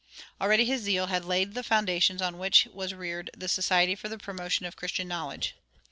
Already his zeal had laid the foundations on which was reared the Society for the Promotion of Christian Knowledge.